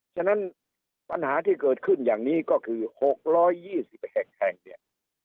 ฉะนั้นปัญหาที่เกิดขึ้นอย่างนี้ก็คือหกร้อยยี่สิบแห่งแห่งเนี้ย